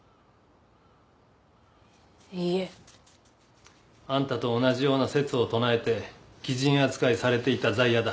いえ。あんたと同じような説を唱えて奇人扱いされていた在野だ。